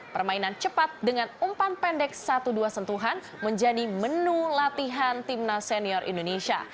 permainan cepat dengan umpan pendek satu dua sentuhan menjadi menu latihan timnas senior indonesia